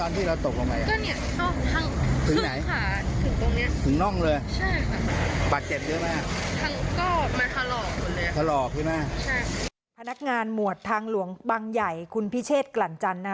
นักงานหมวดทางหลวงบังห์ใหญ่คุณพิเศษกลัลจันทร์นะคะ